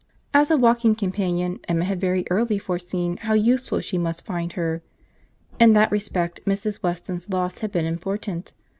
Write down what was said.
As a walking companion, Emma had very early foreseen how useful she might find her. In that respect Mrs. Weston's loss had been important.